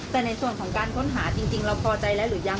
แต่ในส่วนของการค้นหาจริงเราพอใจแล้วหรือยัง